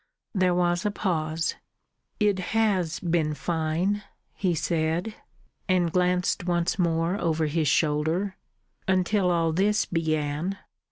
There was a pause. "It has been fine," he said; and glanced once more over his shoulder. "Until all this began."